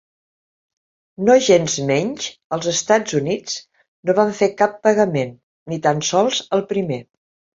Nogensmenys els Estats Units no van fer cap pagament, ni tan sols el primer.